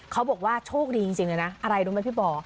เขาบอกว่าโชคดีจริงเลยนะอะไรรู้ไหมพี่ปอ